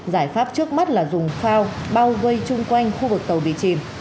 giải pháp trước mắt là dùng phao bao vây chung quanh khu vực tàu bị chìm